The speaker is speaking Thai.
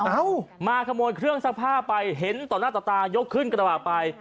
เอามาขโมยเครื่องซักผ้าไปเห็นต่อหน้าต่อตายกขึ้นกระบะไป